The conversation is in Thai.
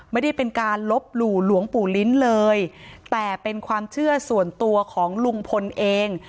ไม่ได้เป็นการลบหลู่หลวงปู่ลิ้นเลยแต่เป็นความเชื่อส่วนตัวของลุงพลเอง